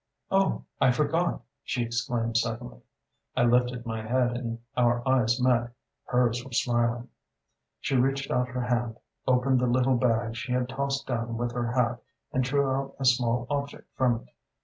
"'Oh, I forgot ' she exclaimed suddenly. I lifted my head and our eyes met. Hers were smiling. "She reached out her hand, opened the little bag she had tossed down with her hat, and drew a small object from it.